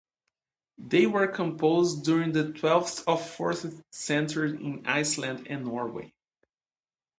They were composed during the twelfth to fourteenth centuries in Iceland and Norway.